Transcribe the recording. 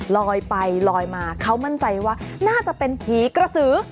ลอยไปลอยมาเขามั่นใจว่าน่าจะเป็นผีกระสือ